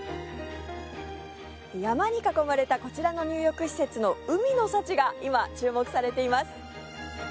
山に囲まれたこちらの入浴施設の海の幸が今、注目されています。